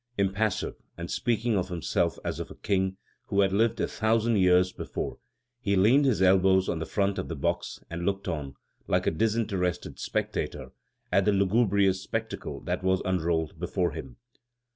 Impassive, and speaking of himself as of a king who had lived a thousand years before, he leaned his elbows on the front of the box, and looked on, like a disinterested spectator, at the lugubrious spectacle that was unrolled before him.